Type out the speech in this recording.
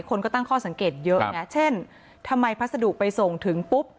คนก็ตั้งข้อสังเกตเยอะไงเช่นทำไมพัสดุไปส่งถึงปุ๊บ